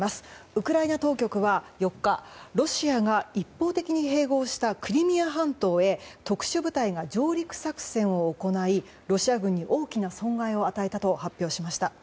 ウクライナ当局は４日ロシアが一方的に併合したクリミア半島へ特殊部隊が上陸作戦を行いロシア軍に大きな損害を与えたと発表しました。